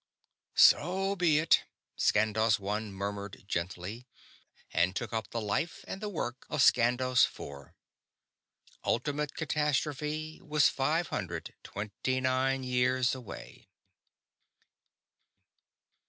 "So be it," Skandos One murmured gently, and took up the life and the work of Skandos Four. _Ultimate catastrophe was five hundred twenty nine years away.